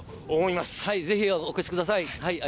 ぜひお越しください。